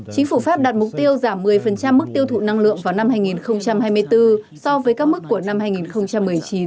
chính phủ pháp đặt mục tiêu giảm một mươi mức tiêu thụ năng lượng vào năm hai nghìn hai mươi bốn so với các mức của năm hai nghìn một mươi chín